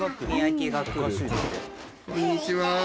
こんにちは。